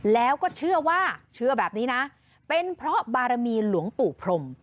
แล้วก็เชื่อว่าเชื่อแบบนี้นะเป็นเพราะบารมีหลวงปู่พรม